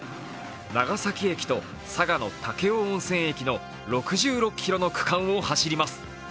長崎駅と佐賀の武雄温泉駅の６６ｋｍの区間を走ります。